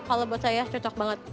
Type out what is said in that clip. kalau buat saya cocok banget